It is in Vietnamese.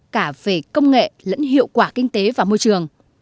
cả về công nghệ lẫn hiệu quả kinh tế và môi trường